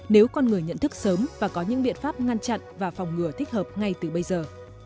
nếu con người nhận thức sớm và có những biện pháp ngăn chặn và phòng ngừa thích hợp ngay từ bây giờ